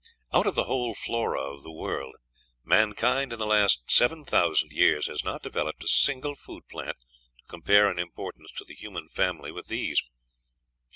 Out of the whole flora of the world mankind in the last seven thousand years has not developed a single food plant to compare in importance to the human family with these.